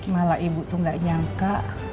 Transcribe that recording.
malah ibu tuh gak nyangka